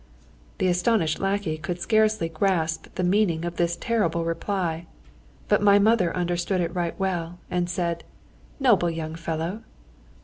The astonished lackey could scarcely grasp the meaning of this terrible reply. But my mother understood it right well, and said, "Noble young fellow!"